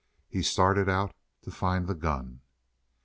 He started out to find the gun.